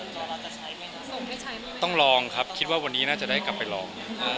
ก็ต้องลองครับคิดว่าวันนี้น่าจะได้กลับไปลอง